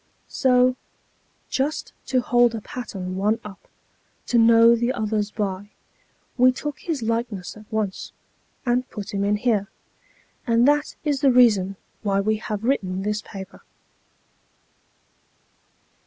So, just to hold a pattern one up, to know the others by, we took his likeness at once, and put him in here. And that is the reason why we have written this paper.